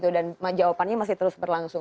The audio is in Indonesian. dan jawabannya masih terus berlangsung